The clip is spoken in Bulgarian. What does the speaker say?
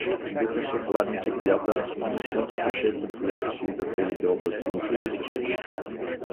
Духаше хладничек вятър, но слънцето често поглеждаше иззад белите облаци и припичаше.